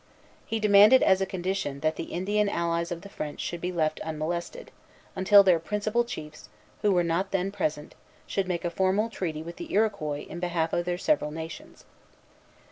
He demanded as a condition, that the Indian allies of the French should be left unmolested, until their principal chiefs, who were not then present, should make a formal treaty with the Iroquois in behalf of their several nations.